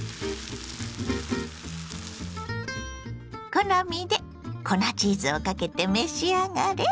好みで粉チーズをかけて召し上がれ。